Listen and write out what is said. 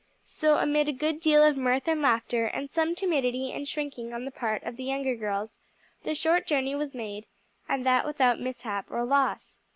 So amid a good deal of mirth and laughter and some timidity and shrinking on the part of the younger girls, the short journey was made, and that without mishap or loss.